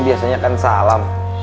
biasanya kan salam